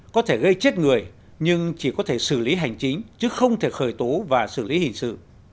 có thể gây chết người nhưng chỉ có thể xử lý hành chính chứ không thể khởi tố và xử lý hình sự